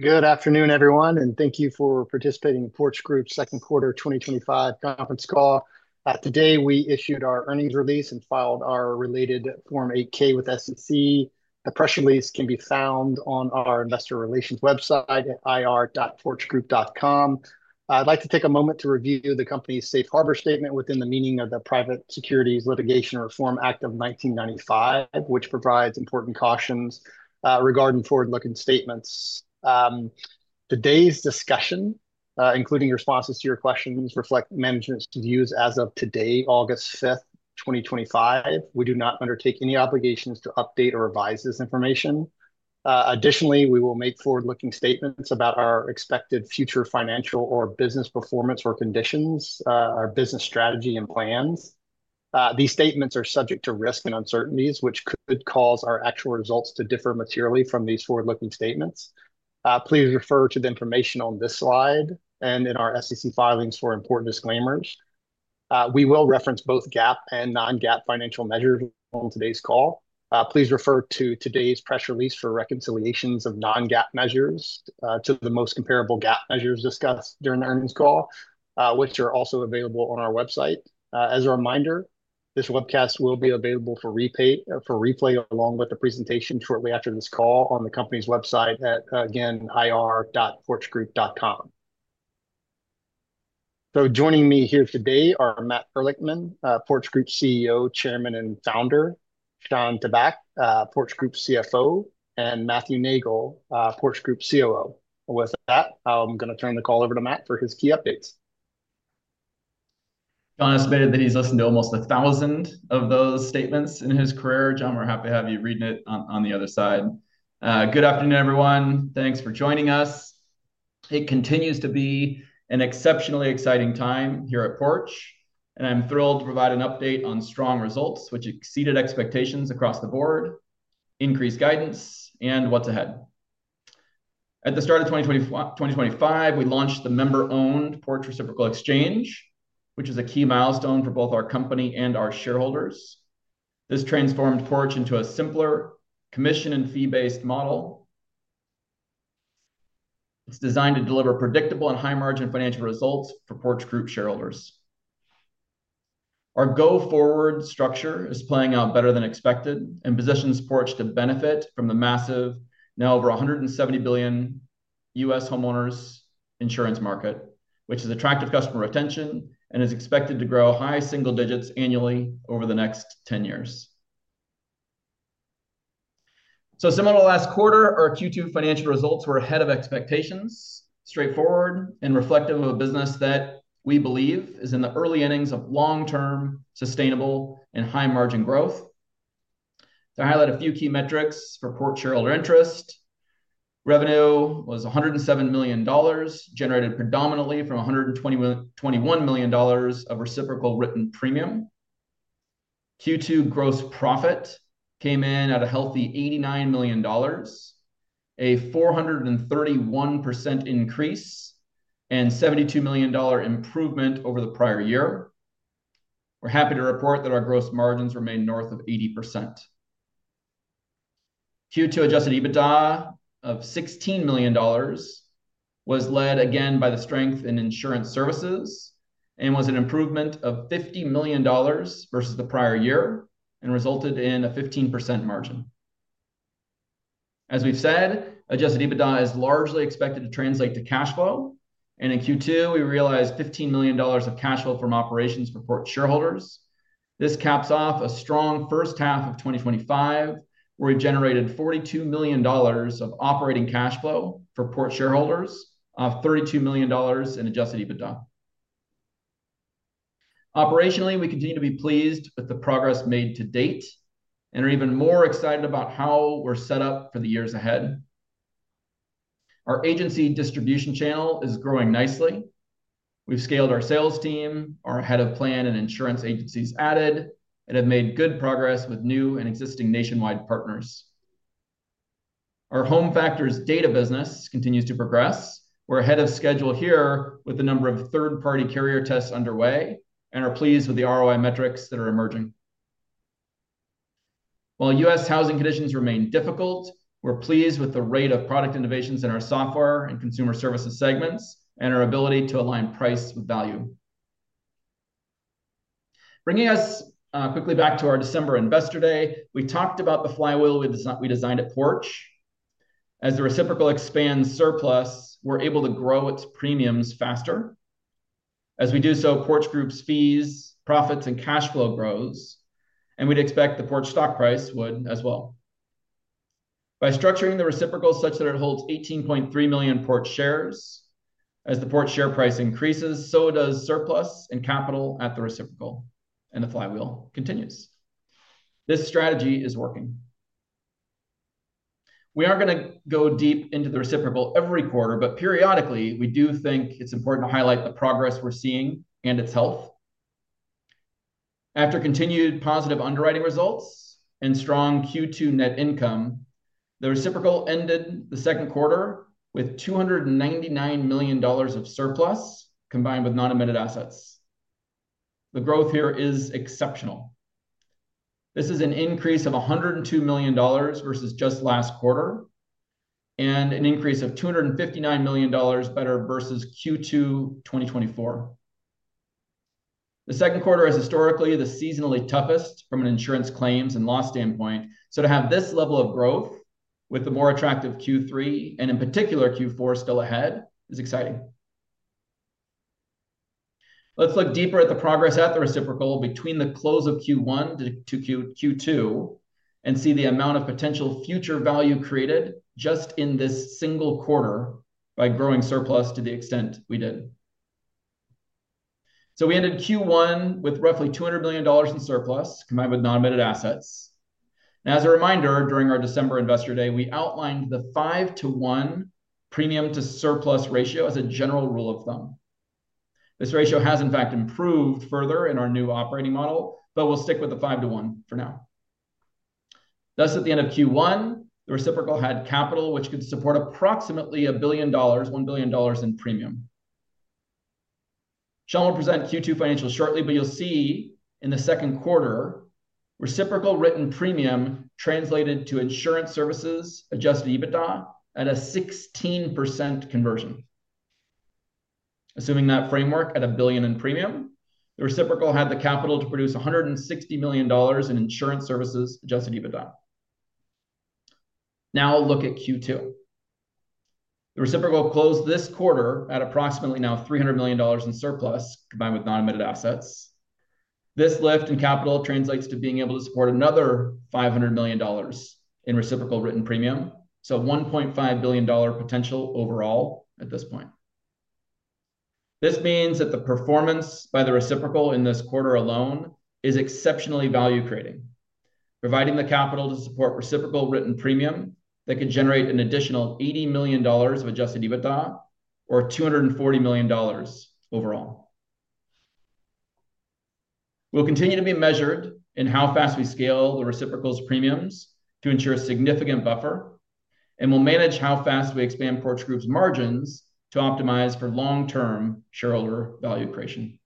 Good afternoon everyone, and thank you forParticipating in Porch Group Inc.'s second quarter 2025 conference call. Today we issued our earnings release and filed our related Form 8-K with the SEC. A press release can be found on our Investor Relations website at ir.porchgroup.com. I'd like to take a moment to review Company's Safe Harbor statement within the meaning of the Private Securities Litigation Reform Act of 1995, which provides important cautions regarding forward-looking statements. Today's discussion, including responses to your questions, reflect management's views as of today, August 5, 2025. We do not undertake any obligations to update or revise this information. Additionally, we will make forward-looking statements about our expected future financial or business performance or conditions, our business strategy and plans. These statements are subject to risks and uncertainties which could cause our actual results to differ materially from these forward-looking statements. Please refer to the information on this slide and in our SEC filings. For important disclaimers, we will reference both GAAP and non-GAAP financial measures on today's call. Please refer to today's press release reconciliations of non-GAAP measures to the most comparable GAAP measures discussed during the earnings call, which are also available on our website. As a reminder, this webcast will be available for replay along with the presentation shortly after this call on the Company's website again at IR. For joining me here today are Matt Ehrlichman, Porch Group CEO, Chairman and Founder, Shawn Tabak, Porch Group CFO and Matthew Neagle, Porch Group COO. With that, I'm going to turn the call over to Matt for his key updates. John estimated that he's listened to almost a thousand of those statements in his career. John, we're happy to have you reading it on the other side. Good afternoon everyone. Thanks for joining us. It continues to be an exceptionally exciting time here at Porch and I'm thrilled to provide an update on strong results which exceeded expectations across the board, increased guidance, and what's ahead. At the start of 2025, we launched the member owned Porch Reciprocal Exchange (PIRE), which is a key milestone for both our company and our shareholders. This transformed Porch into a simpler commission and fee-based model. It's designed to deliver predictable and high margin financial results for Porch Group shareholders. Our go forward structure is playing out better than expected and positions Porch to benefit from the massive, now over $170 billion U.S. homeowners insurance market, which has attractive customer retention and is expected to grow high single digits annually over the next 10 years. Similar to last quarter, our Q2 financial results were ahead of expectations, straightforward, and reflective of a business that we believe is in the early innings of long term sustainable and high margin growth. I highlight a few key metrics for Porch shareholder interest. Revenue was $107 million, generated predominantly from $121 million of Reciprocal Written Premium. Q2 gross profit came in at a healthy $89 million, a 431% increase and $72 million improvement over the prior year. We're happy to report that our gross margins remain north of 80%. Q2 Adjusted EBITDA of $16 million was led again by the strength in Insurance Services and was an improvement of $50 million versus the prior year and resulted in a 15% margin. As we've said, Adjusted EBITDA is largely expected to translate to cash flow and in Q2 we realized $15 million of cash flow from operations for shareholders. This caps off a strong first half of 2025 where we generated $42 million of operating cash flow for Porch shareholders off $32 million in Adjusted EBITDA. Operationally, we continue to be pleased with the progress made to date and are even more excited about how we're set up for the years ahead. Our agency distribution channel is growing nicely. We've scaled our sales team, our head of plan and insurance agencies added, and have made good progress with new and existing nationwide partners. Our HomeFactors data business continues to progress. We're ahead of schedule here with the number of third-party carrier tests underway and are pleased with the ROI metrics that are emerging. While U.S. housing conditions remain difficult, we're pleased with the rate of product innovations in our Software and Data and Consumer Services segments and our ability to align price with value, bringing us quickly back to our December Investor Day. We talked about the flywheel we designed at Porch. As the Reciprocal expands surplus, we're able to grow its premiums faster. As we do so, Porch Group's fees, profits, and cash flow grow, and we'd expect the Porch stock price would as well by structuring the Reciprocal such that it holds 18.3 million Porch shares. As the Porch share price increases, so does surplus and capital at the Reciprocal, and the flywheel continues. This strategy is working. We are not going to go deep into the Reciprocal every quarter, but periodically we do think it's important to highlight the progress we're seeing and its health. After continued positive underwriting results and strong Q2 net income, the Reciprocal ended the second quarter with $299 million of surplus combined with non-admitted assets. The growth here is exceptional. This is an increase of $102 million versus just last quarter and an increase of $259 million versus Q2 2023. The second quarter is historically the seasonally toughest from an insurance claims and loss standpoint, to have this level of growth with the more attractive Q3 and in particular Q4 still ahead is exciting. Let's look deeper at the progress at the Reciprocal between the close of Q1 to Q2 and see the amount of potential future value created just in this single quarter by growing surplus. To the extent we did so, we ended Q1 with roughly $200 million in surplus combined with non-admitted assets. As a reminder, during our December Investor Day, we outlined the 5 to 1 premium to surplus ratio. As a general rule of thumb, this ratio has in fact improved further in our new operating model, but we'll stick with the 5 to 1 for now. Thus, at the end of Q1, the Reciprocal had capital which could support approximately $1 billion in premium. Shawn will present Q2 financials shortly, but you'll see in the second quarter Reciprocal Written Premium translated to Insurance Services Adjusted EBITDA at a 16% conversion. Assuming that framework at a billion in premium, the reciprocal had the capital to produce $160 million in Insurance Services Adjusted EBITDA. Now look at Q2. The reciprocal closed this quarter at approximately now $300 million in surplus, combined with non-admitted assets. This lift in capital translates to being able to support another $500 million in Reciprocal Written Premium. $1.5 billion potential overall at this point. This means that the performance by the reciprocal in this quarter alone is exceptionally value creating, providing the capital to support Reciprocal Written Premium that can generate an additional $80 million of Adjusted EBITDA or $240 million overall. We'll continue to be measured in how fast we scale the reciprocal's premiums to ensure significant buffer, and we'll manage how fast we expand Porch Group's margins to optimize for long term shareholder value creation.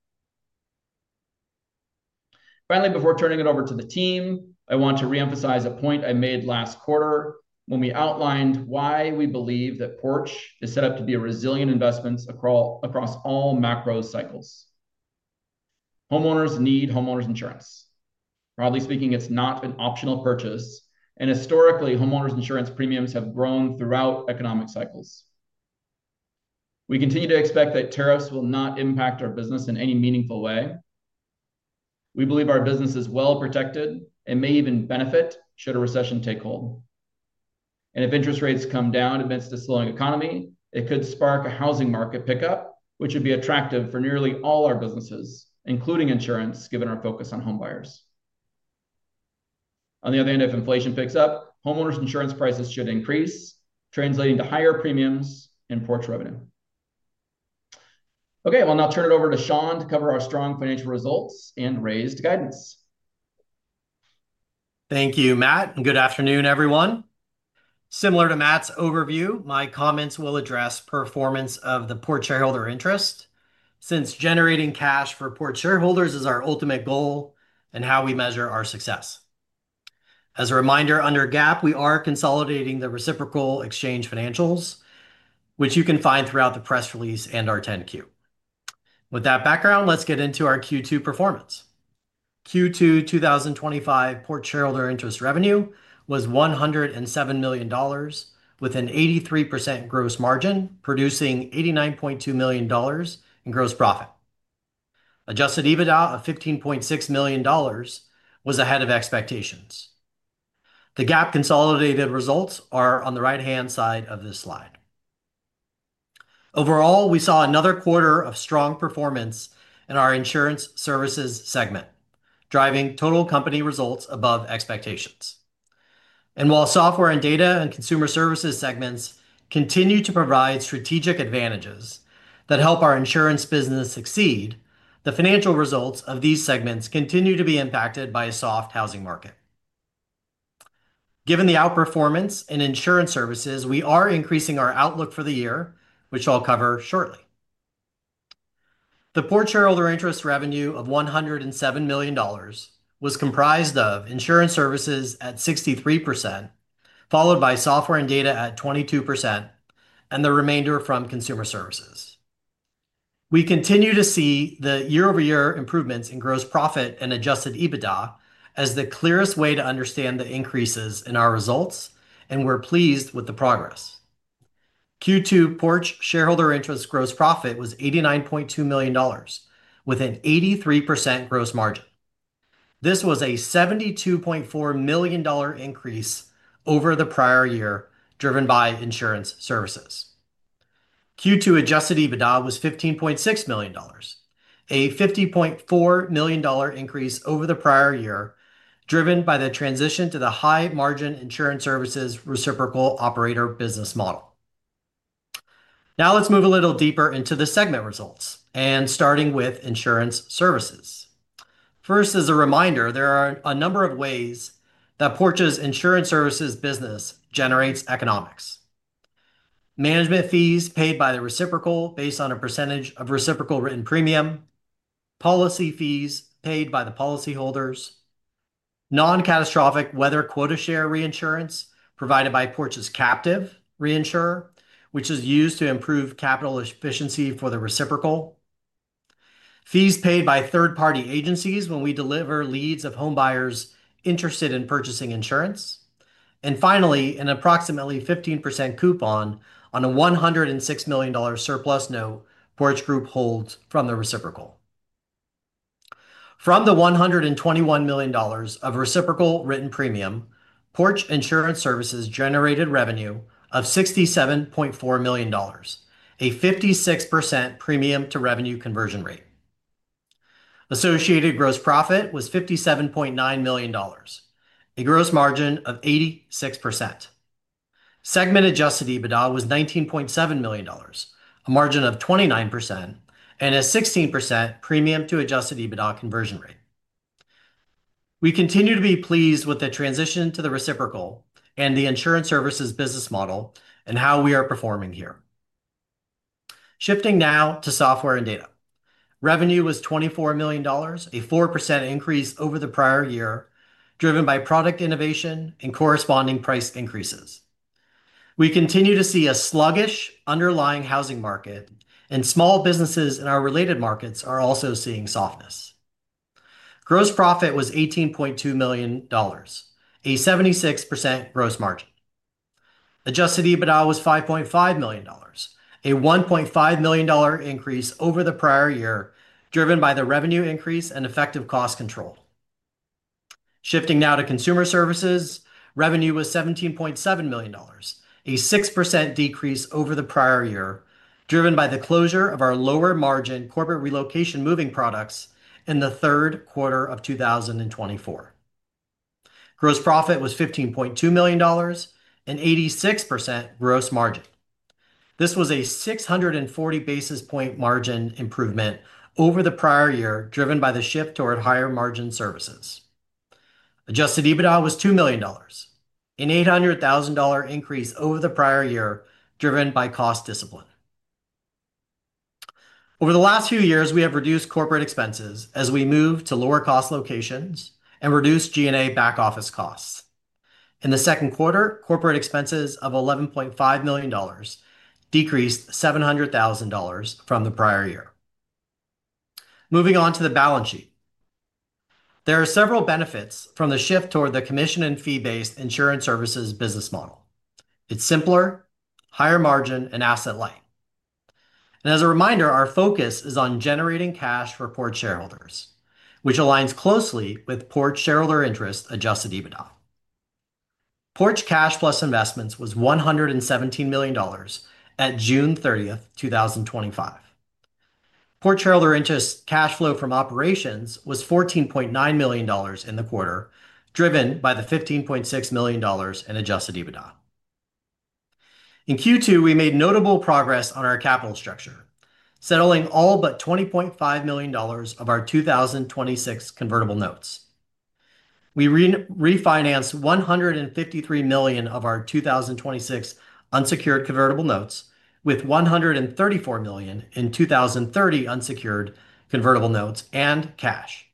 Finally, before turning it over to the team, I want to reemphasize a point I made last quarter when we outlined why we believe that Porch is set up to be a resilient investment across all macro cycles. Homeowners need homeowners insurance. Broadly speaking, it's not an optional purchase, and historically homeowners insurance premiums have grown throughout economic cycles. We continue to expect that tariffs will not impact our business in any meaningful way. We believe our business is well protected and may even benefit should a recession take hold, and if interest rates come down amidst a slowing economy, it could spark a housing market pickup which would be attractive for nearly all our businesses, including insurance given our focus on homebuyers. On the other end, if inflation picks up, homeowners insurance prices should increase, translating to higher premiums and Porch revenue. Okay, now turn it over to Shawn to cover our strong financial results and raised guidance. Thank you, Matt, and good afternoon, everyone. Similar to Matt's overview, my comments will address performance of the Porch shareholder interest, since generating cash for Porch shareholders is our ultimate goal, and how we measure our success. As a reminder, under GAAP, we are consolidating the reciprocal exchange financials, which you can find throughout the press release and our 10-Q. With that background, let's get into our Q2 performance. Q2 2025 Porch shareholder interest revenue was $107 million with an 83% gross margin, producing $89.2 million in gross profit. Adjusted EBITDA of $15.6 million was ahead of expectations. The GAAP consolidated results are on the right-hand side of this slide. Overall, we saw another quarter of strong performance in our Insurance Services segment, driving total company results above expectations. While Software and Data and Consumer Services segments continue to provide strategic advantages that help our insurance business succeed, the financial results of these segments continue to be impacted by a soft housing market. Given the outperformance in Insurance Services, we are increasing our outlook for the year, which I'll cover shortly. The Porch shareholder interest revenue of $107 million was comprised of Insurance Services at 63%, followed by Software and Data at 22%, and the remainder from Consumer Services. We continue to see the year-over-year improvements in gross profit and Adjusted EBITDA as the clearest way to understand the increases in our results, and we're pleased with the progress. Q2 Porch shareholder interest gross profit was $89.2 million with an 83% gross margin. This was a $72.4 million increase over the prior year, driven by Insurance Services. Q2 Adjusted EBITDA was $15.6 million, a $50.4 million increase over the prior year, driven by the transition to the high-margin Insurance Services reciprocal operator business model. Now let's move a little deeper into the segment results and starting with Insurance Services. First. As a reminder, there are a number of ways that Porch's Insurance Services business generates economics. Management fees paid by the reciprocal based on a percentage of Reciprocal Written Premium, policy fees paid by the policyholders, non-catastrophic weather quota share reinsurance provided by Porch's captive reinsurer which is used to improve capital efficiency for the reciprocal, fees paid by third party agencies when we deliver leads of home buyers interested in purchasing insurance, and finally an approximately 15% coupon on a $106 million surplus. Note Porch Group holds from the reciprocal from the $121 million of Reciprocal Written Premium, Porch Insurance Services generated revenue of $67.4 million, a 56% premium to revenue conversion rate. Associated gross profit was $57.9 million, a gross margin of 86%. Segment Adjusted EBITDA was $19.7 million, a margin of 29% and a 16% premium to Adjusted EBITDA conversion rate. We continue to be pleased with the transition to the reciprocal and the Insurance Services business model and how we are performing here. Shifting now to Software and Data, revenue was $24 million, a 4% increase over the prior year driven by product innovation and corresponding price increases. We continue to see a sluggish underlying housing market and small businesses in our related markets are also seeing softness. Gross profit was $18.2 million, a 76% gross margin. Adjusted EBITDA was $5.5 million, a $1.5 million increase over the prior year driven by the revenue increase and effective cost control. Shifting now to Consumer Services, revenue was $17.7 million, a 6% decrease over the prior year driven by the closure of our lower margin corporate relocation moving products. In the third quarter of 2024, gross profit was $15.2 million and 86% gross margin. This was a 640 basis point margin improvement over the prior year driven by the shift toward higher margin services. Adjusted EBITDA was $2 million, an $800,000 increase over the prior year driven by cost discipline. Over the last few years we have reduced corporate expenses as we move to lower cost locations and reduced G&A back office costs. In the second quarter, corporate expenses of $11.5 million decreased $700,000 from the prior year. Moving on to the balance sheet, there are several benefits from the shift toward the commission and fee-based Insurance Services business model. It's simpler, higher margin and asset length, and as a reminder, our focus is on generating cash for Porch shareholders which aligns closely with Porch shareholder interest. Adjusted EBITDA, Porch's cash plus investments was $117 million at June 30, 2025. Porch shareholder interest cash flow from operations was $14.9 million in the quarter, driven by the $15.6 million in Adjusted EBITDA. In Q2, we made notable progress on our capital structure, settling all but $20.5 million of our 2026 convertible notes. We refinanced $153 million of our 2026 unsecured convertible notes with $134 million in 2030 unsecured convertible notes and cash.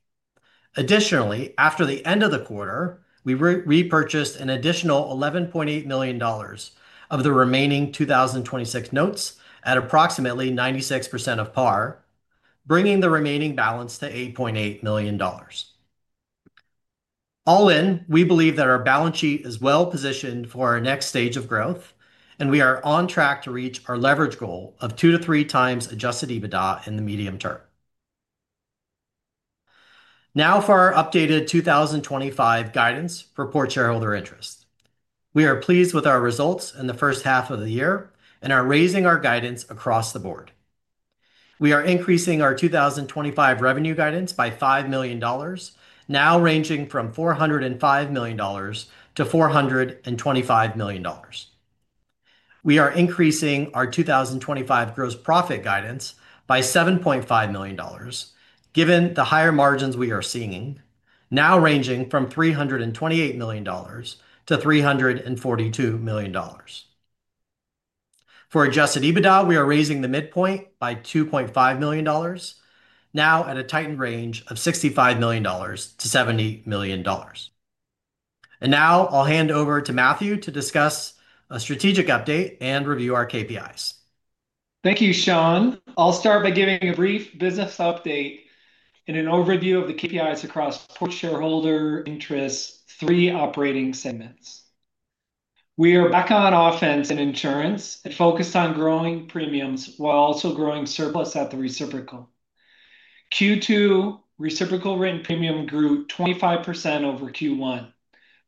Additionally, after the end of the quarter, we repurchased an additional $11.8 million of the remaining 2026 notes at approximately 96% of par, bringing the remaining balance to $8.8 million. All in, we believe that our balance sheet is well positioned for our next stage of growth, and we are on track to reach our leverage goal of 2 to 3 times Adjusted EBITDA in the medium term. Now for our updated 2025 guidance for Porch shareholder interest. We are pleased with our results in the first half of the year and are raising our guidance across the board. We are increasing our 2025 revenue guidance by $5 million, now ranging from $405 million to $425 million. We are increasing our 2025 gross profit guidance by $7.5 million given the higher margins we are seeing, now ranging from $328 million to $342 million. For Adjusted EBITDA, we are raising the midpoint by $2.5 million, now at a tightened range of $65 million to $70 million. Now I'll hand over to Matthew to discuss a strategic update and review our KPIs. Thank you, Shawn. I'll start by giving a brief business update and an overview of the KPIs across shareholder interests. Three operating segments, we are back on offense in insurance and focused on growing premiums while also growing surplus at the reciprocal. Q2 Reciprocal Written Premium grew 25% over Q1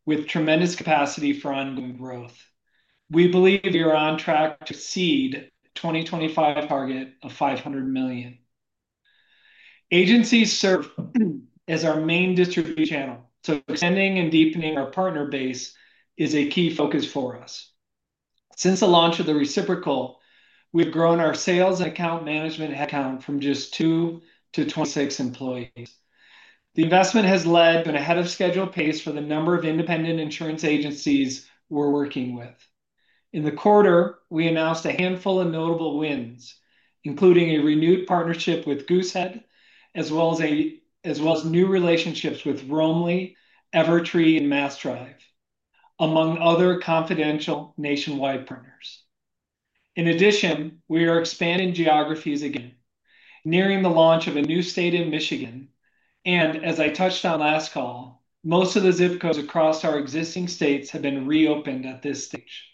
with tremendous capacity for ongoing growth. We believe we're on track to seed 2025 target of $500 million. Agencies serve as our main distribution channel, so extending and deepening our partner base is a key focus for us. Since the launch of the reciprocal, we've grown our sales account management headcount from just two to 26 employees. The investment has led to an ahead of schedule pace for the number of independent insurance agencies we're working with. In the quarter, we announced a handful of notable wins including a renewed partnership with Goosehead as well as new relationships with Roamly, Evertree, and MassDrive, among other confidential nationwide partners. In addition, we are expanding geographies again, nearing the launch of a new state in Michigan, and as I touched on last call, most of the zip codes across our existing states have been reopened at this stage.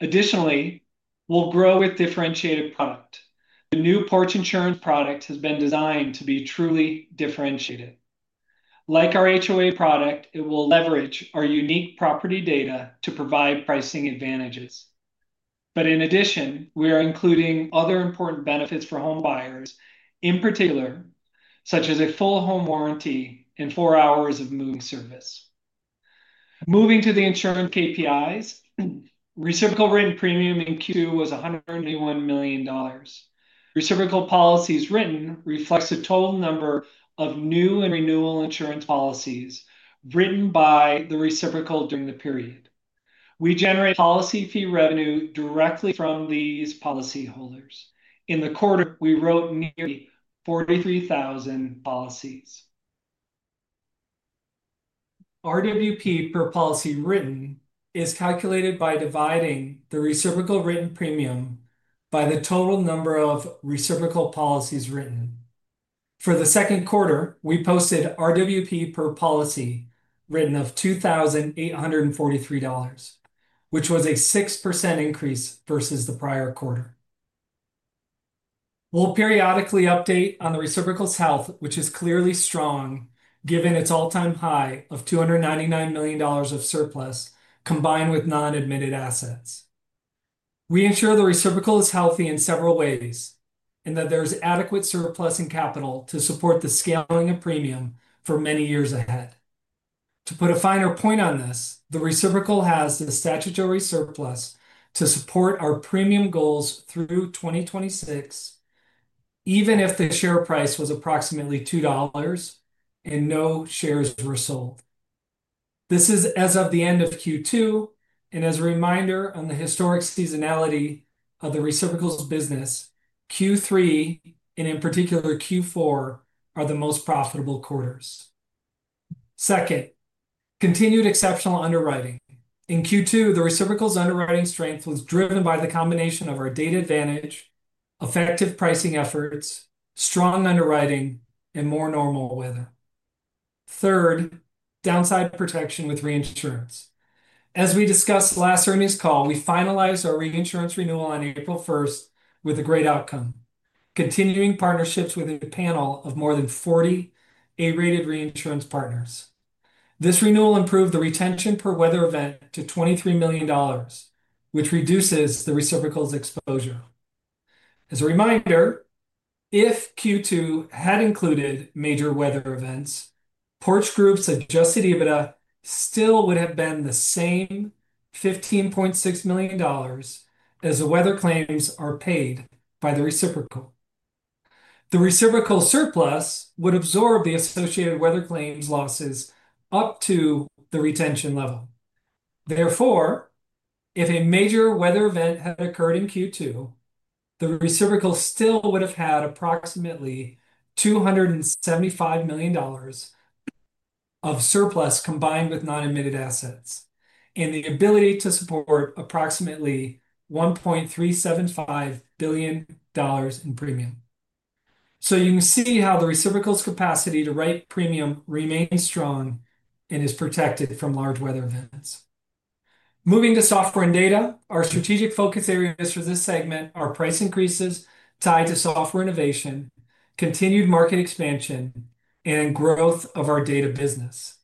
Additionally, we'll grow with differentiated product. The new Porch Insurance product has been designed to be truly differentiated. Like our HOA product, it will leverage our unique property data to provide pricing advantages, but in addition, we are including other important benefits for home buyers in particular such as a full home warranty and four hours of moving service. Moving to the insurance KPIs, Reciprocal Written Premium in Q2 was $181 million. Reciprocal policies written reflects a total number of new and renewal insurance policies written by the reciprocal during the period. We generate policy fee revenue directly from these policyholders. In the quarter, we wrote nearly 43,000 policies. RWP per policy written is calculated by dividing the Reciprocal Written Premium by the total number of reciprocal policies written. For the second quarter, we posted RWP per policy written of $2,843, which was a 6% increase versus the prior quarter. We'll periodically update on the reciprocal's health, which is clearly strong given its all-time high of $299 million of surplus combined with non-admitted assets. We ensure the reciprocal is healthy in several ways and that there is adequate surplus and capital to support the scaling of premium for many years ahead. To put a finer point on this, the reciprocal has the statutory surplus to support our premium goals through 2026 even if the share price was approximately $2 and no shares were sold. This is as of the end of Q2, and as a reminder on the historic seasonality of the reciprocal business, Q3 and in particular Q4 are the most profitable quarters. Second, continued exceptional underwriting in Q2. The reciprocal's underwriting strength was driven by the combination of our data advantage, effective pricing efforts, strong underwriting, and more normal weather. Third, downside protection with reinsurance. As we discussed last earnings call, we finalized our reinsurance renewal on April 1 with a great outcome, continuing partnerships with a panel of more than 40 A-rated reinsurance partners. This renewal improved the retention per weather event to $23 million, which reduces the reciprocal's exposure. As a reminder, if Q2 had included major weather events, Porch Group's Adjusted EBITDA still would have been the same $15.6 million. As the weather claims are paid by the reciprocal, the reciprocal surplus would absorb the associated weather claims losses up to the retention level. Therefore, if a major weather event had occurred in Q2, the reciprocal still would have had approximately $275 million of surplus combined with non-admitted assets and the ability to support approximately $1.375 billion in premium. You can see how the reciprocal's capacity to write premium remains strong and is protected from large weather events. Moving to Software and Data, our strategic focus areas for this segment are price increases tied to software innovation, continued market expansion, and growth of our data business.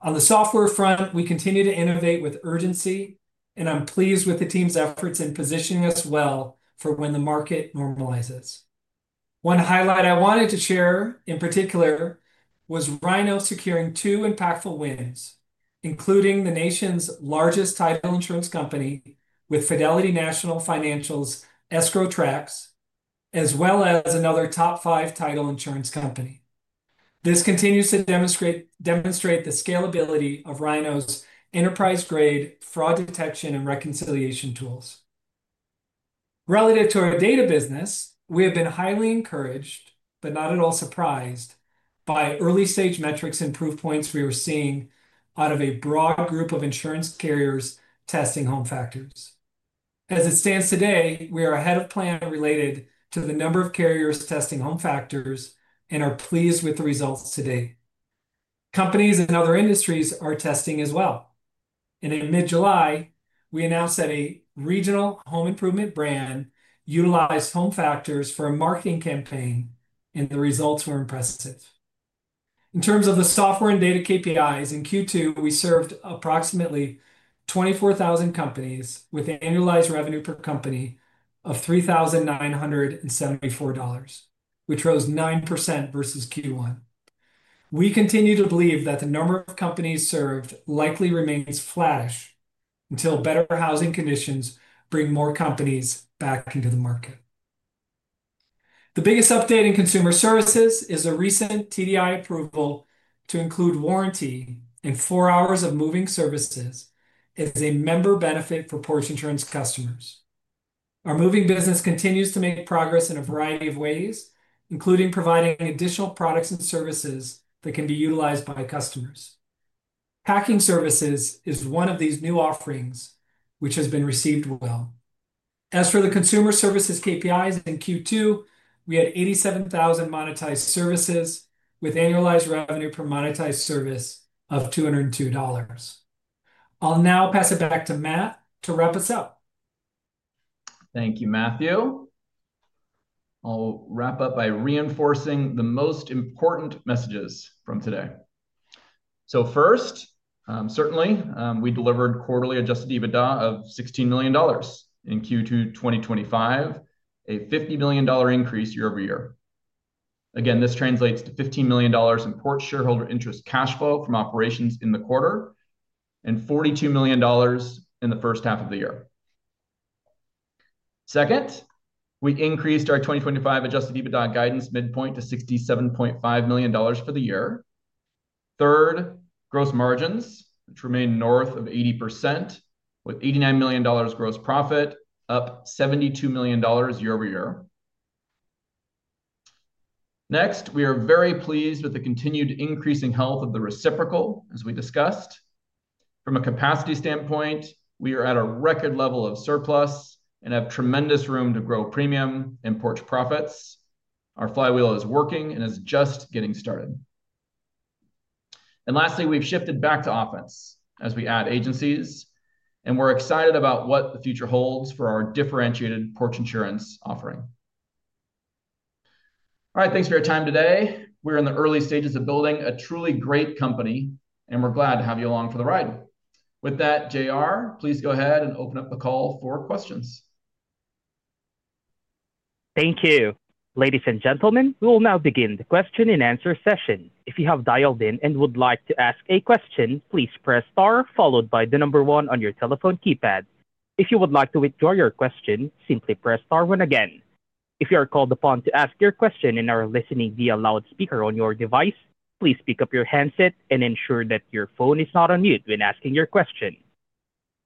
On the software front, we continue to innovate with urgency, and I'm pleased with the team's efforts in positioning us well for when the market normalizes. One highlight I wanted to share in particular was Rhino securing two impactful wins, including the nation's largest title insurance company with Fidelity National Financial's escrow tracks as well as another top five title insurance company. This continues to demonstrate the scalability of Rhino's enterprise-grade fraud detection and reconciliation tools. Relative to our data business, we have been highly encouraged but not at all surprised by early stage metrics and proof points. We are seeing out of a broad group of insurance carriers testing HomeFactors. As it stands today, we are ahead of plan related to the number of carriers testing HomeFactors and are pleased with the results today. Companies in other industries are testing as well, and in mid-July we announced that a regional home improvement brand utilized HomeFactors for a marketing campaign and the results were impressive. In terms of the Software and Data KPIs in Q2, we served approximately 24,000 companies with annualized revenue per company of $3,974, which rose 9% versus Q1. We continue to believe that the number of companies served likely remains flattish until better housing conditions bring more companies back into the market. The biggest update in Consumer Services is a recent TDI approval to include warranty and 4 hours of moving services as a member benefit for Porch Insurance customers. Our moving business continues to make progress in a variety of ways, including providing additional products and services that can be utilized by customers. Packing services is one of these new offerings, which has been received well. As for the Consumer Services KPIs in Q2, we had 87,000 monetized services with annualized revenue per monetized service of $202. I'll now pass it back to Matt to wrap us up. Thank you, Matthew. I'll wrap up by reinforcing the most important messages from today. First, certainly we delivered quarterly Adjusted EBITDA of $16 million in Q2 2025, a $50 million increase year over year. This translates to $15 million in Porch shareholder interest cash flow from operations in the quarter and $42 million in the first half of the year. Second, we increased our 2025 Adjusted EBITDA guidance midpoint to $67.5 million for the year. Third, gross margins remain north of 80% with $89 million gross profit, up $72 million year over year. Next, we are very pleased with the continued increasing health of the reciprocal. As we discussed, from a capacity standpoint, we are at a record level of surplus and have tremendous room to grow premium and Porch profits. Our flywheel is working and is just getting started. Lastly, we've shifted back to offense as we add agencies and we're excited about what the future holds for our differentiated Porch Insurance offering. All right, thanks for your time today. We're in the early stages of building a truly great company and we're glad to have you along for the ride. With that, J.R., please go ahead and open up the call for questions. Thank you, ladies and gentlemen. We will now begin the question and answer session. If you have dialed in and would like to ask a question, please press star followed by the number one on your telephone keypad. If you would like to withdraw your question, simply press star one again. If you are called upon to ask your question and are listening via loudspeaker on your device, please pick up your handset and ensure that your phone is not on mute when asking your question.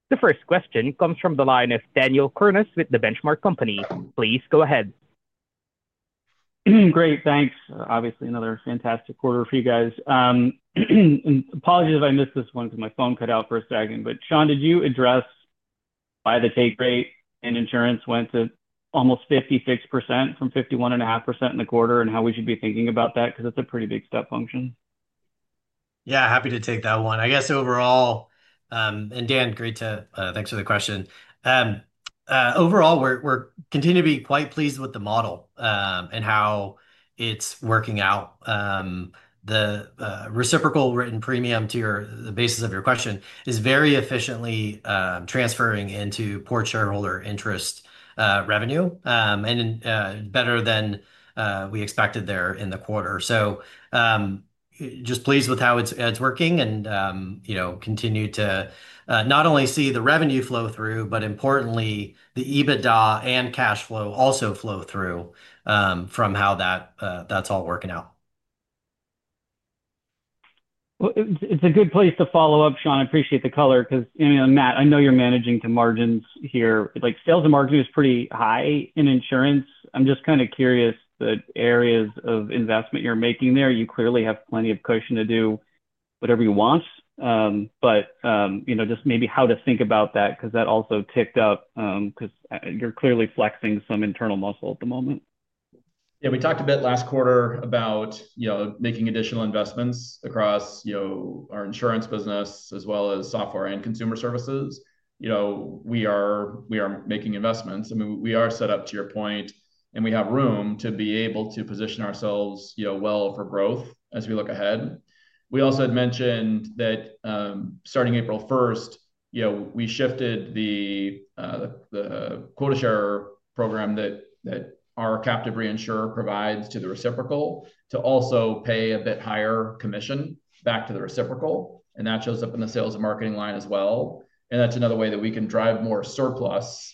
The first question comes from the line of Daniel Kurnos with The Benchmark Company. Please go ahead. Great, thanks. Obviously another fantastic quarter for you guys. Apologies if I missed this one because my phone cut out for a second, but Shawn, did you address why the take rate in Insurance Services went to almost 56% from 51.5% in the quarter and how we should be thinking about that because that's a pretty big step function. Yeah, happy to take that one. I guess overall, and Dan, great to thanks for the question. Overall, we're continuing to be quite pleased with the model and how it's working out. The Reciprocal Written Premium, to your the basis of your question, is very efficiently transferring into Porch shareholder interest revenue and better than we expected there in the quarter. Just pleased with how it's working, and you know, continue to not only see the revenue flow through but, importantly, the EBITDA and cash flow also flow through from how that that's all working out. It's a good place to follow up, Shawn. I appreciate the color because, you know, Matt, I know you're managing to margins here, like sales and margin is pretty high in insurance. I'm just kind of curious the areas of investment you're making there. You clearly have plenty of cushion to do whatever you want, but, you know, just maybe how to think about that because that also ticked up because you're clearly flexing some internal muscle at the moment. Yeah, we talked a bit last quarter about making additional investments across our Insurance Services business as well as Software and Consumer Services. We are making investments. I mean, we are set up to your point and we have room to be able to position ourselves well for growth as we look ahead. We also had mentioned that starting April 1, we shifted the quota share program that our captive reinsurer provides to the reciprocal to also pay a bit higher commission back to the reciprocal. That shows up in the sales and marketing line as well. That's another way that we can drive more surplus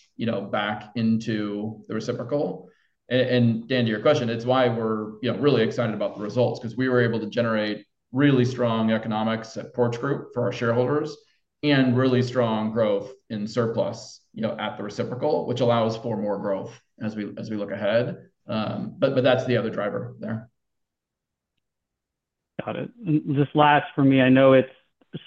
back into the reciprocal. Dan, to your question, it's why we're really excited about the results, because we were able to generate really strong economics at Porch Group. for our shareholders and really strong growth in surplus at the reciprocal, which allows for more growth as we look ahead. That's the other driver there. Got it. This last for me. I know it's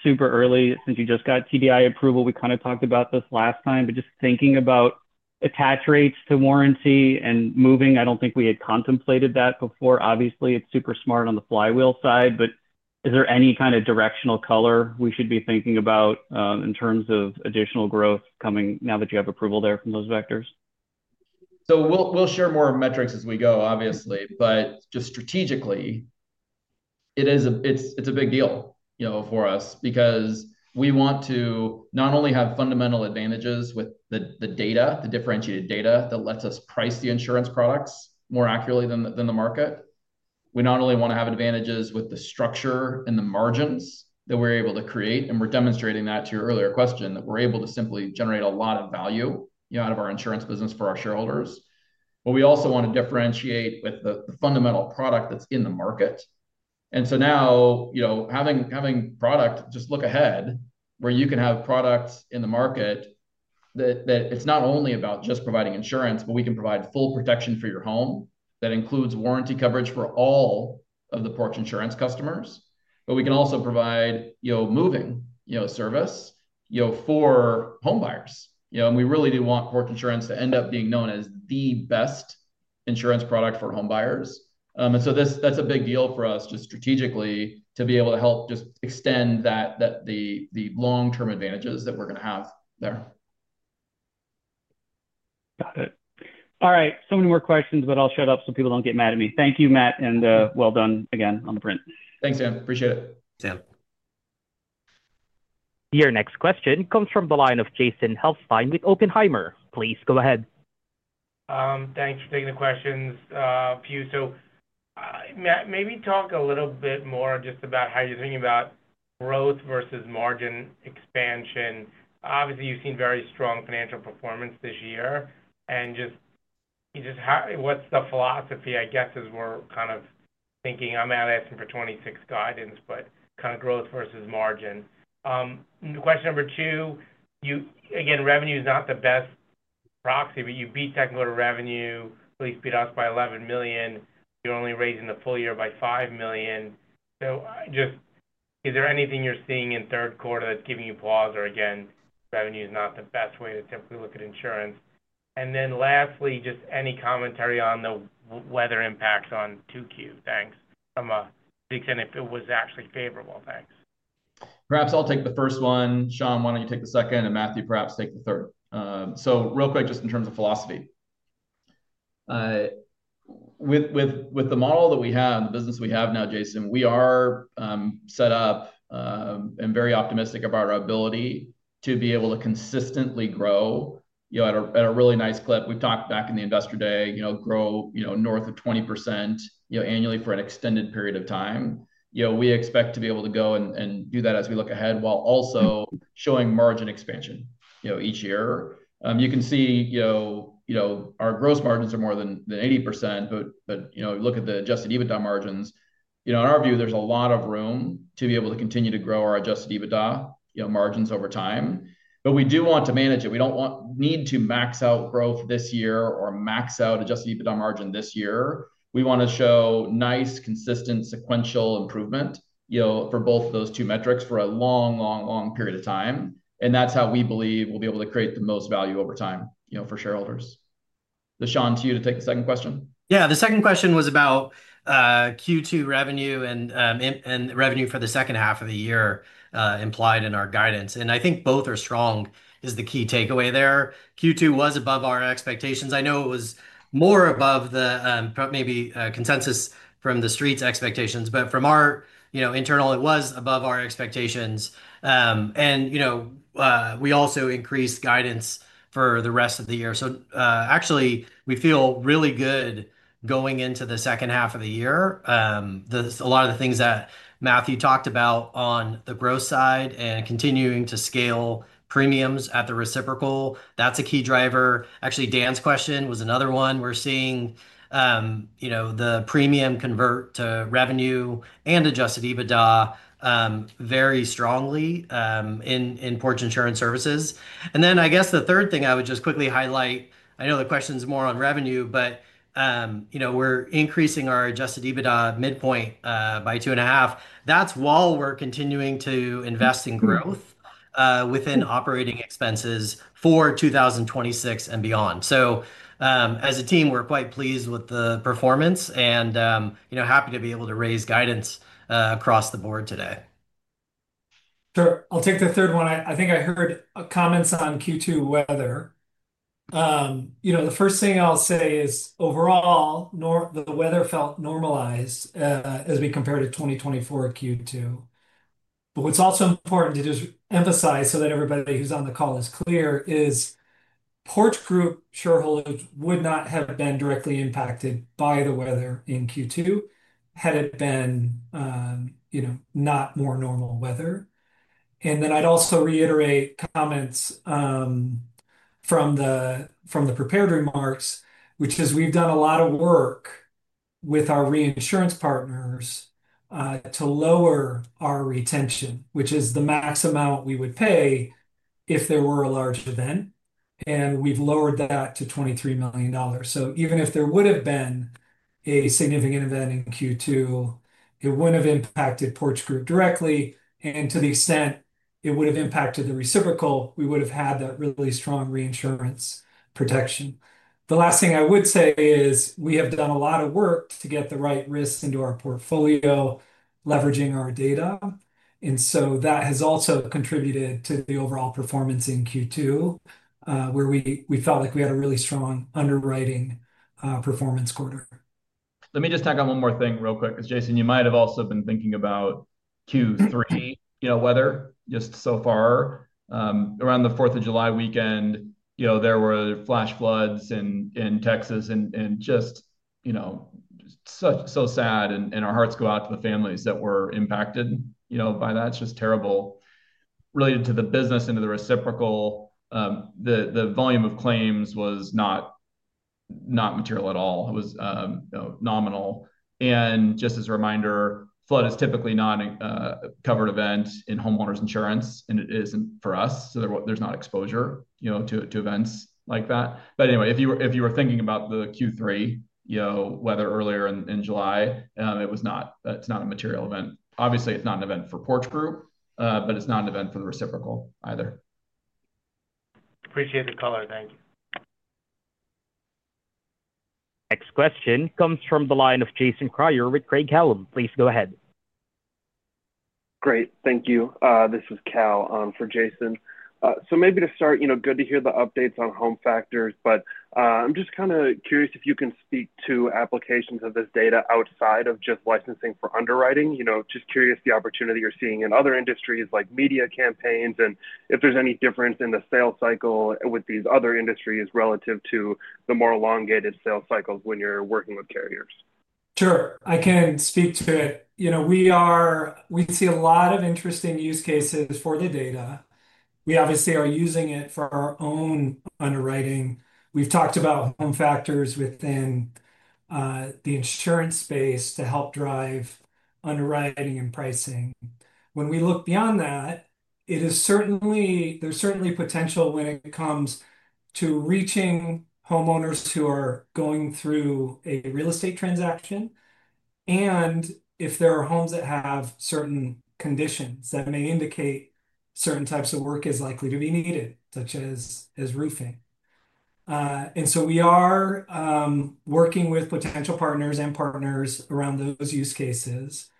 super early since you just got TDI approval. We kind of talked about this last time, but just thinking about attach rates to warranty and moving. I don't think we had contemplated that before. Obviously it's super smart on the flywheel side. Is there any kind of directional color we should be thinking about in terms of additional growth coming now that you have approval there from those vectors? We'll share more metrics as we go, obviously, but just strategically, it's a big deal for us because we want to not only have fundamental advantages with the data, the differentiated data that lets us price the insurance products more accurately than the market. We not only want to have advantages with the structure and the margins that we're able to create, and we're demonstrating that to your earlier question, that we're able to simply generate a lot of value out of our insurance business for our shareholders. We also want to differentiate with the fundamental product that's in the market. Now, having product, just look ahead where you can have products in the market, that it's not only about just providing insurance, but we can provide full protection for your home that includes warranty coverage for all of the Porch Insurance customers. We can also provide moving service for homebuyers, and we really do want Porch Insurance to end up being known as the best insurance product for homebuyers. That's a big deal for us just strategically to be able to help extend the long-term advantages that we're going to have there. Got it. All right, so many more questions, but I'll shut up so people don't get mad at me. Thank you, Matt, and well done again on the print. Thanks, Dan. Appreciate it. Thanks, Dan. Your next question comes from the line of Jason Helfstein with Oppenheimer. Please go ahead. Thanks for taking the questions. Few, so maybe talk a little bit more just about how you're thinking about growth versus margin expansion. Obviously you've seen very strong financial performance this year and what's the philosophy? I guess as we're kind of thinking, I'm not asking for 2026 guidance but kind of growth versus margin. Question number two. Again, revenue is not the best proxy, but you beat second quarter revenue, at least beat us by $11 million. You're only raising the full year by $5 million. Just is there anything you're seeing in third quarter that's giving you pause? Again, revenue is not the best way to simply look at insurance. Lastly, just any commentary on the weather impacts on 2Q. Thanks. From a big extent if it was actually favorable. Thanks. Perhaps I'll take the first one. Shawn, why don't you take the second and Matthew, perhaps take the third. Real quick, just in terms of philosophy, with the model that we have, the business we have now, Jason, we are set up and very optimistic about our ability to be able to consistently grow at a really nice clip. We've talked back in the investor day, grow north of 20% annually for an extended period of time. We expect to be able to go and do that as we look ahead while also showing margin expansion. Each year you can see our gross margins are more than 80%. Look at the Adjusted EBITDA margins. In our view there's a lot of room to be able to continue to grow our Adjusted EBITDA margins over time. We do want to manage it. We don't need to max out growth this year or max out Adjusted EBITDA margin this year. We want to show nice consistent sequential improvement for both those two metrics for a long, long, long period of time. That's how we believe we'll be able to create the most value over time for shareholders. Shawn, to you to take the second question. Yeah, the second question was about Q2 revenue and revenue for the second half of the year, implied in our guidance, and I think both are strong, is the key takeaway there. Q2 was above our expectations. I know it was more above maybe consensus from the Street's expectations, but from our internal, it was above our expectations. We also increased guidance for the rest of the year. Actually, we feel really good going into the second half of the year. A lot of the things that Matthew talked about on the growth side and continuing to scale premiums at the reciprocal, that's a key driver. Dan's question was another one. We're seeing the premium convert to revenue and Adjusted EBITDA very strongly in Porch Insurance Services. I guess the third thing I would just quickly highlight, I know the question's more on revenue, but we're increasing our Adjusted EBITDA midpoint by 2.5. That's while we're continuing to invest in growth within operating expenses for 2026 and beyond. As a team, we're quite pleased with the performance and happy to be able to raise guidance across the board today. Sure. I'll take the third one. I think I heard comments on Q2 weather. The first thing I'll say is overall, the weather felt normalized as we compare to 2024 Q2. What's also important to just emphasize so that everybody who's on the call is clear is Porch Group shareholders would not have been directly impacted by the weather in Q2 had it been, you know, not more normal weather. I'd also reiterate comments from the prepared remarks, which is we've done a lot of work with our reinsurance partners to lower our retention, which is the max amount we would pay if there were a large event. We've lowered that to $23 million. Even if there would have been a significant event in Q2, it wouldn't have impacted Porch Group directly. To the extent it would have impacted the reciprocal, we would have had that really strong reinsurance protection. The last thing I would say is we have done a lot of work to get the right risks into our portfolio, leveraging our data. That has also contributed to the overall performance in Q2, where we felt like we had a really strong underwriting performance quarter. Let me just tack on one more thing real quick because, Jason, you might have also been thinking about Q3 weather just so far. Around the 4th of July weekend, there were flash floods in Texas and just so sad. Our hearts go out to the families that were impacted by that. It's just terrible. Related to the business and to the reciprocal, the volume of claims was not material at all. It was nominal. Just as a reminder, flood is typically not a covered event in homeowners insurance and it isn't for us. There's not exposure to events like that. If you were thinking about the Q3 weather earlier in July, it was not a material event. Obviously it's not an event for Porch Group, but it's not an event for the reciprocal either. Appreciate the color. Thank you. Next question comes from the line of Jason Kreyer with Craig-Hallum. Please go ahead. Great. Thank you. This is Cal on for Jason. Maybe to start, you know, good to hear the updates on HomeFactors, but I'm just kind of curious if you can speak to applications of this data outside of just licensing for underwriting. You know, just curious the opportunity you're seeing in other industries like media campaigns and if there's any difference in the sales cycle with these other industries relative to the more elongated sales cycles when. You're working with carriers. Sure, I can speak to it. You know, we are, we see a lot of interesting use cases for the data. We obviously are using it for our own underwriting. We've talked about factors within the insurance space to help drive underwriting and pricing. When we look beyond that, there is certainly potential when it comes to reaching homeowners who are going through a real estate transaction. If there are homes that have certain conditions that may indicate certain types of work is likely to be needed, such as re-roofing, we are working with potential partners and partners around those use cases.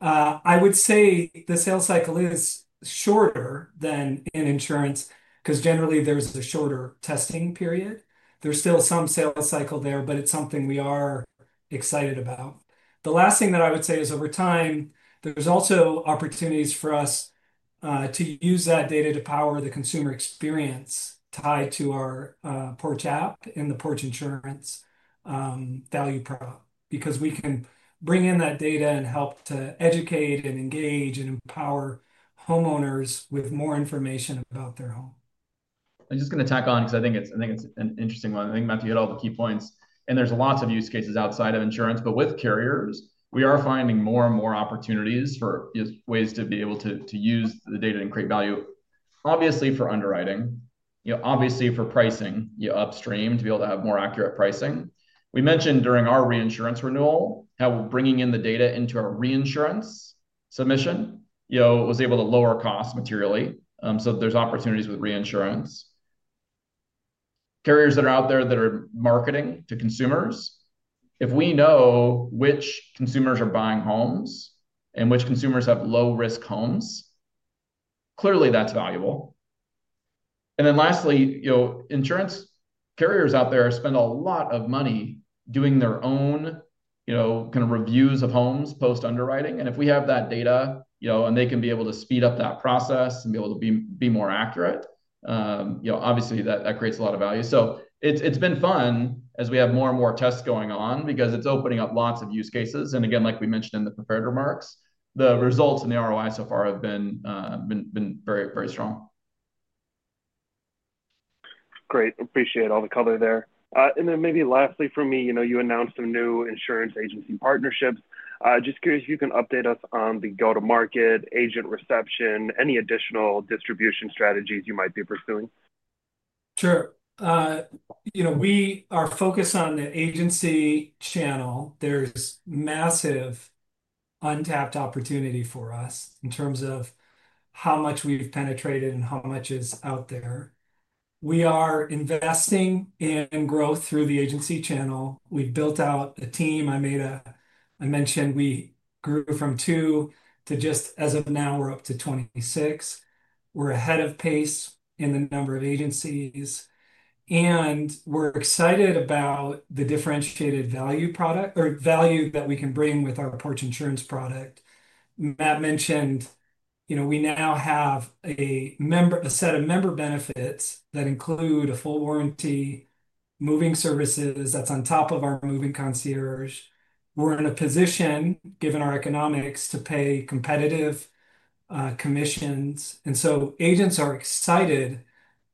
I would say the sales cycle is shorter than in insurance because generally there's the shorter testing period. There's still some sales cycle there, but it's something we are excited about. The last thing that I would say is over time there's also opportunities for us to use that data to power the consumer experience tied to our Porch app and the Porch Insurance value prop, because we can bring in that data and help to educate and engage and empower homeowners with more information about their home. I'm just going to tack on because I think it's an interesting one. I think Matthew hit all the key points and there's lots of use cases outside of insurance. With carriers, we are finding more and more opportunities for ways to be able to use the data and create value. Obviously for underwriting, obviously for pricing, you upstream to be able to have more accurate pricing. We mentioned during our reinsurance renewal how we're bringing in the data into our reinsurance submission, you know, was able to lower costs materially. There's opportunities with reinsurance carriers that are out there that are marketing to consumers. If we know which consumers are buying homes and which consumers have low risk homes, clearly that's valuable. Lastly, insurance carriers out there spend a lot of money doing their own kind of reviews of homes, post underwriting. If we have that data, and they can be able to speed up that process and be able to be more accurate, obviously that creates a lot of value. It's been fun as we have more and more tests going on because it's opening up lots of use cases. Like we mentioned in the prepared remarks, the results in the ROI so far have been very, very strong. Great. Appreciate all the color there. Maybe lastly for me, you announced some new insurance agency partnerships. Just curious if you can update us on the go to market agent reception, any additional distribution strategies you might be pursuing. Sure. You know, we are focused on the agency channel. There's massive untapped opportunity for us in terms of how much we've penetrated and how much is out there. We are investing in growth through the agency channel. We built out a team. I mentioned we grew from two to just, as of now we're up to 26. We're ahead of pace in the number of agencies and we're excited about the differentiated value product or value that we can bring with our Porch Insurance product. Matt mentioned, you know, we now have a set of member benefits that include a full warranty, moving services. That's on top of our moving concierge. We're in a position given our economics to pay competitive commissions, and so agents are excited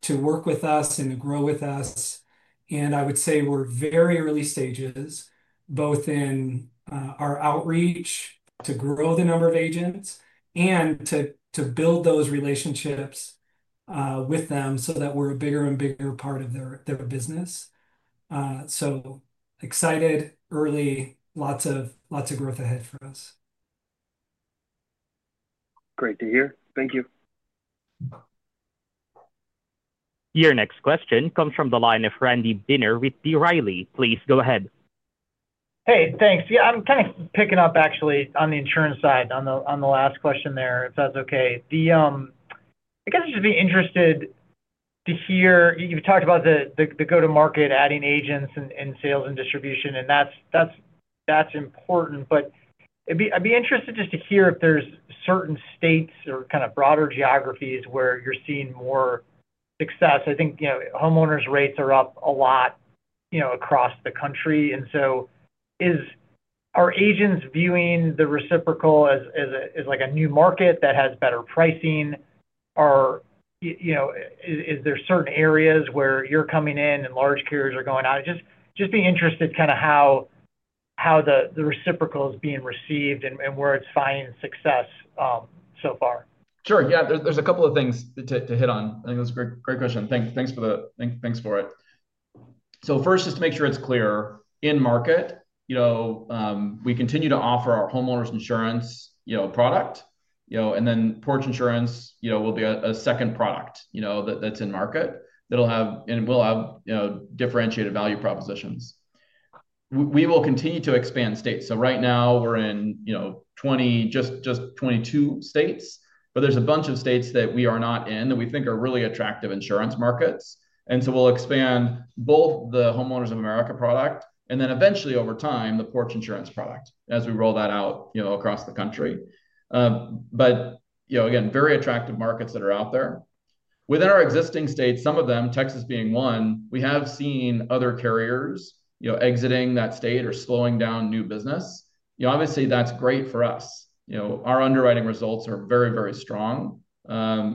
to work with us and grow with us. I would say we're very early stages both in our outreach to grow the number of agents and to build those relationships with them so that we're a bigger and bigger part of their business. Excited early, lots of growth ahead for us. Great to hear. Thank you. Your next question comes from the line of Randy Binner with B. Riley. Please go ahead. Hey, thanks. Yeah, I'm kind of picking up actually on the insurance side on the last question there, if that's okay. I guess I'd just be interested to hear you've talked about the go to market, adding agents and sales and distribution. That's important. I'd be interested just to hear if there's certain states or kind of broader geographies where you're seeing more success. I think homeowners rates are up a lot, you know, across the country. Is our agents viewing the reciprocal as like a new market that has better pricing? Are, you know, is there certain areas where you're coming in and large carriers are going out? Just be interested kind of how the reciprocal is being received and where it's finding success so far? Sure. Yeah. There's a couple of things to hit on. I think that's a great, great question. Thanks. Thanks for the. Thanks for it. First, just to make sure it's clear in market, we continue to offer our homeowners insurance product, and then Porch Insurance will be a second product that's in market that will have differentiated value propositions. We will continue to expand states. Right now we're in just 22 states, but there's a bunch of states that we are not in that we think are really attractive insurance markets. We will expand both the Homeowners of America product and then eventually, over time, the Porch Insurance product as we roll that out across the country. Very attractive markets are out there within our existing states, some of them, Texas being one. We have seen other carriers exiting that state or slowing down new business. Obviously that's great for us. Our underwriting results are very, very strong. The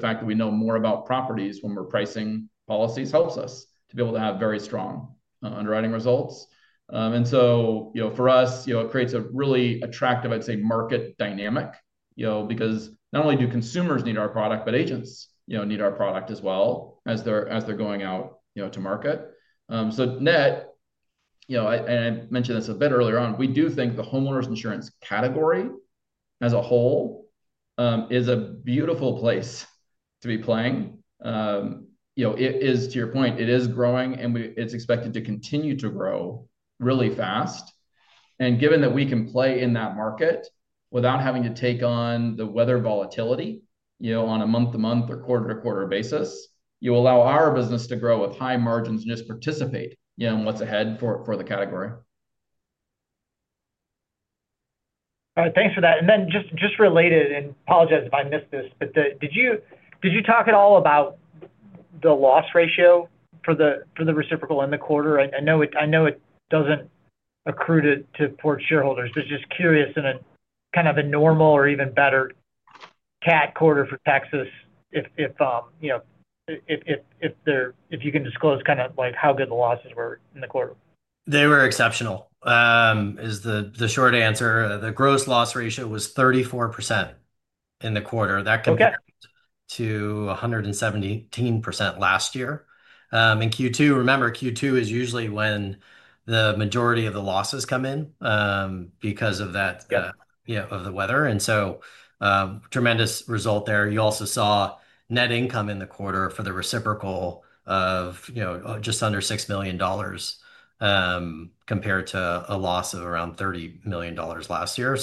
fact that we know more about properties when we're pricing policies helps us to be able to have very strong underwriting results. For us, it creates a really attractive, I'd say, market dynamic because not only do consumers need our product, but agents need our product as well as they're going out to market. Net, and I mentioned this a bit earlier on, we do think the homeowners insurance category as a whole is a beautiful place to be playing. It is, to your point, it is growing and it's expected to continue to grow really fast. Given that we can play in that market without having to take on the weather volatility on a month to month or quarter to quarter basis, you allow our business to grow with high margins and just participate in what's ahead for the category. All right, thanks for that. Just related, and apologize if I missed this, but did you talk at all about the loss ratio for the reciprocal in the quarter? I know it doesn't accrue to Porch shareholders, but just curious in a kind of a normal or even better cat quarter for Texas, if you know, if you can disclose kind of like how good the losses were in the quarter. They were exceptional, is the short answer. The gross loss ratio was 34% in the quarter. That compared to 117% last year in Q2. Remember, Q2 is usually when the majority of the losses come in because of the weather, and so tremendous result there. You also saw net income in the quarter for the reciprocal of just under $6 million compared to a loss of around $30 million last year.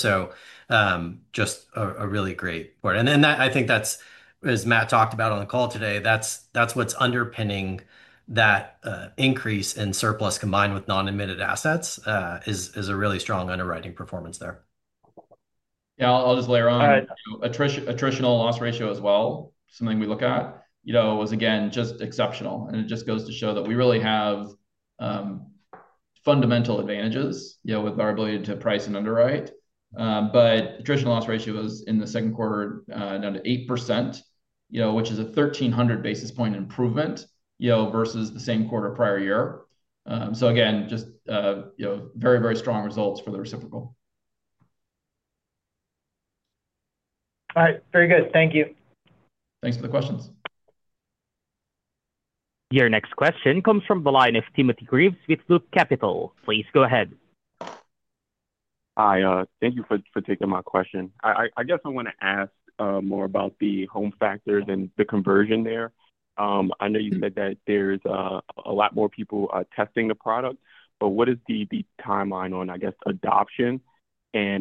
Just a really great point. I think that's as Matt talked about on the call today, that's what's underpinning that increase in surplus combined with non-admitted assets is a really strong underwriting performance there. Yeah, I'll just layer on attritional loss ratio as well. Something we look at was again just exceptional. It just goes to show that we really have fundamental advantages with our ability to price and underwrite. Attritional loss ratio was in the second quarter down to 8%, which is a 1300 basis point improvement versus the same quarter prior year. Again, just very, very strong results for the reciprocal. All right, very good. Thank you. Thanks for the questions. Your next question comes from the line of Tim Greaves with Loop Capital. Please go ahead. Hi, thank you for taking my question. I guess I want to ask more about the HomeFactors and the conversion there. I know you said that there's a lot more people testing the product, but what is the timeline on, I guess, adoption and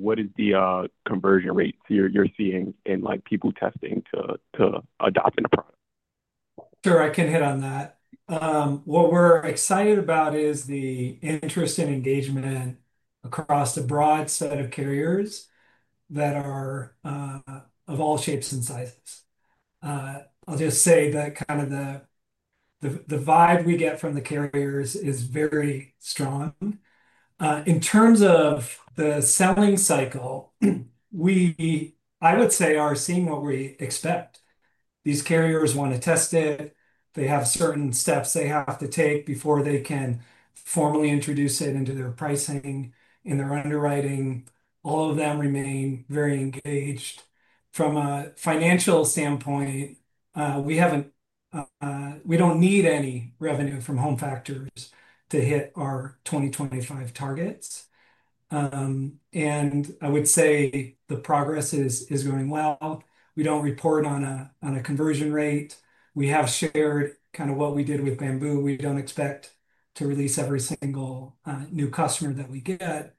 what is the conversion rates you're seeing in people testing to adopt and approval? Sure, I can hit on that. What we're excited about is the interest and engagement across a broad set of carriers that are of all shapes and sizes. I'll just say that the vibe we get from the carriers is very strong in terms of the selling cycle. I would say we are seeing what we expect. These carriers want to test it. They have certain steps they have to take before they can formally introduce it into their pricing in their underwriting. All of them remain very engaged from a financial standpoint. We don't need any revenue from HomeFactors to hit our 2025 targets. I would say the progress is going well. We don't report on a conversion rate. We have shared what we did with Bamboo. We don't expect to release every single new customer that we get.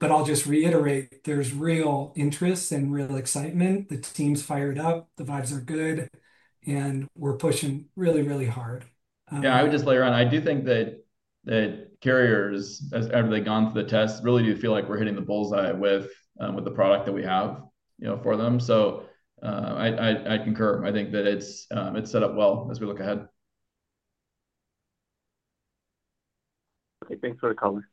I'll just reiterate, there's real interest and real excitement. The team's fired up, the vibes are good and we're pushing really, really hard. I do think that carriers, as they've gone through the tests, really do feel like we're hitting the bullseye with the product that we have for them. I think that it's set up well as we look ahead. Okay, thanks for the caller.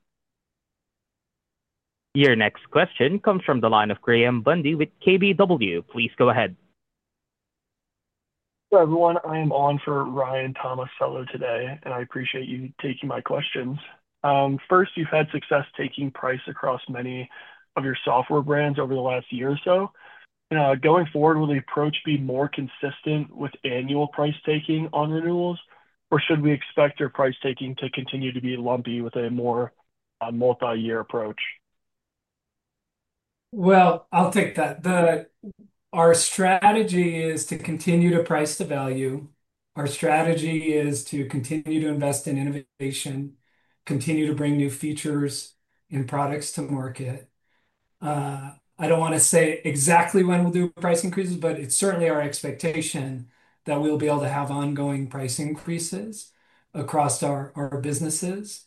Your next question comes from the line of Graham Bundy with KBW. Please go ahead. Hello everyone, I am on for Ryan Tomasello today and I appreciate you taking my questions. First, you've had success taking price across many of your software brands over the last year or so. Going forward, will the approach be more consistent with annual price taking on renewals or should we expect your price taking to continue to be lumpy with a more multi-year approach? Our strategy is to continue to price the value. Our strategy is to continue to invest in innovation, continue to bring new features and products to market. I don't want to say exactly when we'll do price increases, but it's certainly our expectation that we'll be able to have ongoing price increases across our businesses.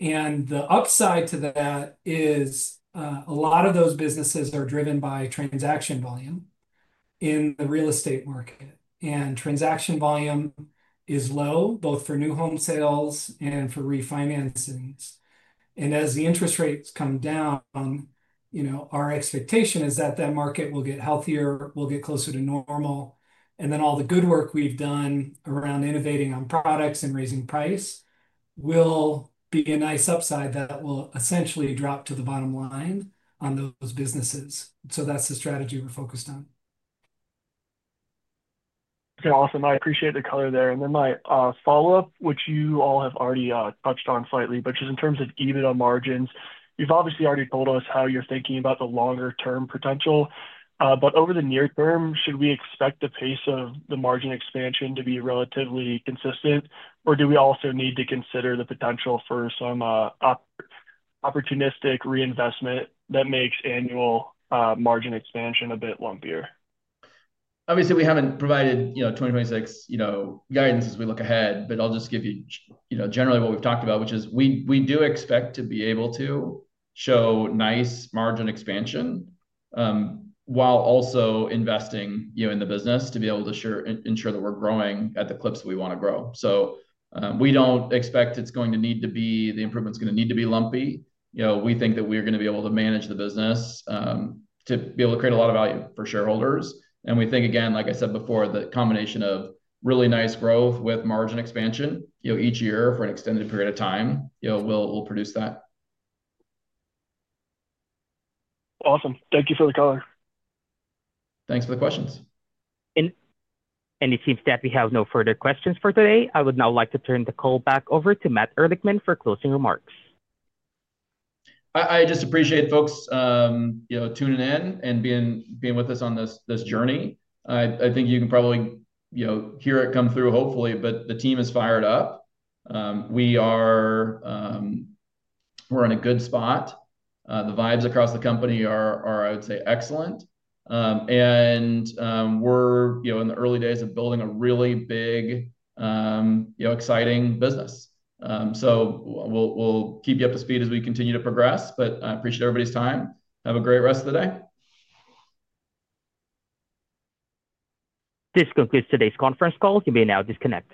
The upside to that is a lot of those businesses are driven by transaction volume in the real estate market and transaction volume is low both for new home sales and for refinancings. As the interest rates come down, our expectation is that that market will get healthier, will get closer to normal. All the good work we've done around innovating on products and raising price will be a nice upside that will essentially drop to the bottom line on those businesses. That's the strategy we're focused on. Okay, awesome. I appreciate the color there. My follow up, which you all have already touched on slightly, is just in terms of EBITDA margins. You've obviously already told us how you're thinking about the longer term potential, but over the near term, should we expect the pace of the margin expansion to be relatively consistent or do we also need to consider the potential for some opportunistic reinvestment that makes annual margin expansion a bit lumpier? Obviously we haven't provided 2026 guidance as we look ahead, but I'll just give you generally what we've talked about, which is we do expect to be able to show nice margin expansion while also investing in the business to be able to ensure that we're growing at the clips we want to grow. We don't expect it's going to need to be, the improvement is going to need to be lumpy. We think that we are going to be able to manage the business to be able to create a lot of value for shareholders. We think again, like I said before, the combination of really nice growth with margin expansion each year for an extended period of time, you know, we'll produce that. Awesome. Thank you for the caller. Thanks for the questions. It seems that we have no further questions for today. I would now like to turn the call back over to Matt Ehrlichman for closing remarks. I just appreciate folks tuning in and being with us on this journey. I think you can probably hear it come through hopefully. The team is fired up. We are in a good spot. The vibes across the company are, I would say, excellent. We're in the early days of building a really big, exciting business. We'll keep you up to speed as we continue to progress. I appreciate everybody's time. Have a great rest of the day. This concludes today's conference call. You may now disconnect.